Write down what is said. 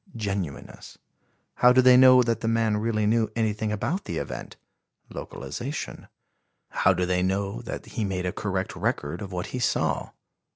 (Genuineness.) How do they know that the man really knew anything about the event? (Localization.) How do they know that he made a correct record of what he saw?